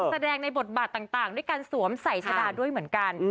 แสดงในบทบาทต่างด้วยการสวมใส่ชะดาด้วยเหมือนกัน